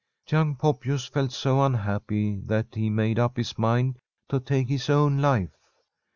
Young Poppius felt so unhappy that he made up his mind to talce his own life.